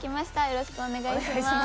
よろしくお願いします。